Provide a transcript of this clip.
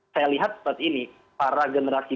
saya lihat seperti ini para generasi